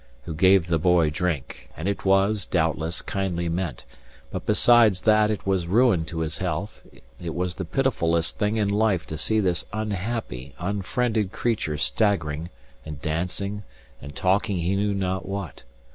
who gave the boy drink; and it was, doubtless, kindly meant; but besides that it was ruin to his health, it was the pitifullest thing in life to see this unhappy, unfriended creature staggering, and dancing, and talking he knew not what.